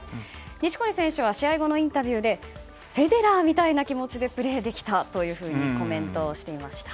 錦織選手は試合後のインタビューでフェデラーみたいな気持ちでプレーできたというふうにコメントをしていました。